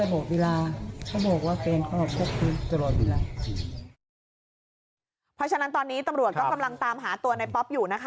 เพราะฉะนั้นตอนนี้ตำรวจก็กำลังตามหาตัวในป๊อปอยู่นะคะ